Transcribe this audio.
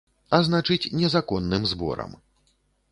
А значыць, незаконным зборам.